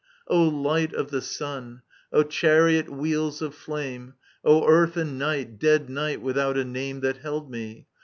O Light of the Sun, O chariot wheels of flame, O Earth and Night, dead Night without a name That held me